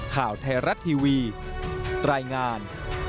ข่าวไทยรัฐทีวีรายงาน